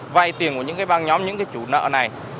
vay tiền của những cái băng nhóm những cái chủ nợ này